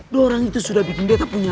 dua orang itu sudah bikin dia punya